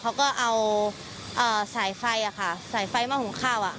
เขาก็เอาสายไฟมาหุ้มเข้า